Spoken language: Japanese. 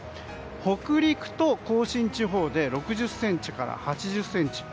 北陸と甲信地方で６０ｃｍから８０ｃｍ。